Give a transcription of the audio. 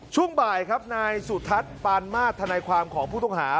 ช่วงบ่ายครับนายสุทัศน์ปานมาสธนายความของผู้ต้องหา